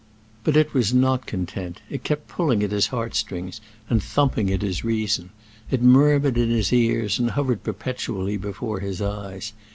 But it was not content: it kept pulling at his heartstrings and thumping at his reason; it murmured in his ears and hovered perpetually before his eyes.